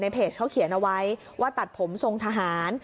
เพจเขาเขียนเอาไว้ว่าตัดผมทรงทหาร